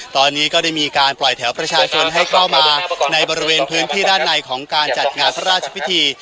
ตอนนี้ก็ได้มีการปล่อยแถวประชาชนให้เข้ามาในบริเวณพื้นที่ด้านในของการจัดงานพระราชพิธี